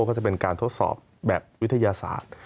ก็จะเป็นการทดสอบแบบวิทยาศาสตร์